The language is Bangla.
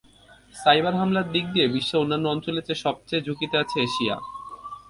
সাইবার হামলা দিক দিয়ে বিশ্বে অন্যান্য অঞ্চলের চেয়ে সবচেয়ে ঝুঁকিতে আছে এশিয়া।